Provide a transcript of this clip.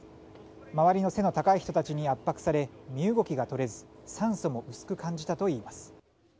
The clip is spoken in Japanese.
周りの背の高い人たちに圧迫され身動きが取れず酸素も薄く感じたといいます。